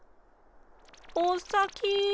おっさき。